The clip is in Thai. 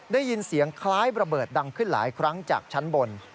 ได้ยินเสียงคล้ายระเบิดดังขึ้นหลายครั้งจากชั้นบน